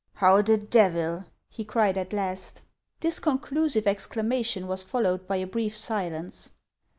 " How the devil !" he cried at last. This conclusive exclamation was followed by a brief silence.